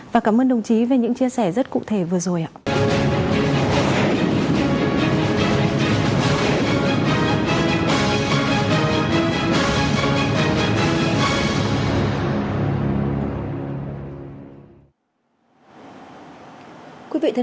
và cảm ơn đồng chí về những chia sẻ rất cụ thể vừa rồi ạ